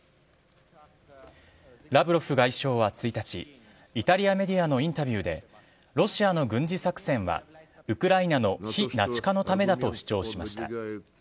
ラブロフ外相は１日、イタリアメディアのインタビューで、ロシアの軍事作戦は、ウクライナの非ナチ化のためだと主張しました。